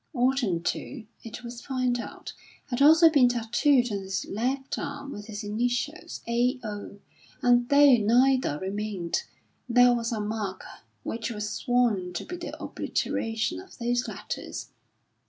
Orton, too, it was found out, had also been tattooed on his left arm with his initials, "A. O.," and, though neither remained, there was a mark which was sworn to be the obliteration of those letters.